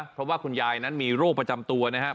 เพราะว่าคุณยายนั้นมีโรคประจำตัวนะครับ